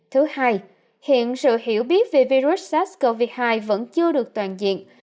thứ hai hiện sự hiểu biết về virus sars cov hai vẫn chưa được toàn diện